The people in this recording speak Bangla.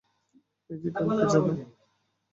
এই যে, কালকে যাব।